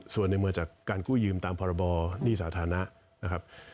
ส่วนในเมื่อจากการกู้ยืมตามพรบหนี้สาธารณะนะครับ